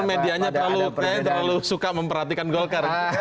media nya terlalu suka memperhatikan golkar